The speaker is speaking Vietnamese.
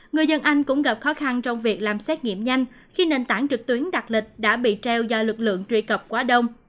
người dân anh cũng gặp khó khăn trong việc làm xét nghiệm nhanh khi nền tảng trực tuyến đặt lịch đã bị treo do lực lượng truy cập quá đông